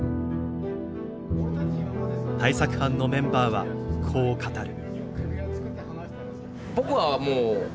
対策班のメンバーはこう語る。